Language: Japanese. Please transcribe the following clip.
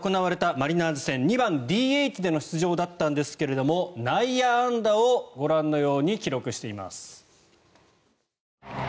マリナーズ戦２番ＤＨでの出場だったんですが内野安打をご覧のように記録しています。